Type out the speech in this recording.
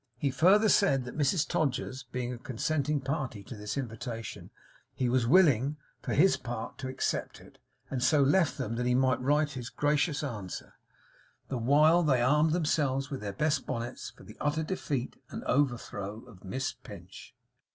He further said, that Mrs Todgers being a consenting party to this invitation, he was willing, for his part, to accept it; and so left them that he might write his gracious answer, the while they armed themselves with their best bonnets for the utter defeat and overthrow of Miss Pinch.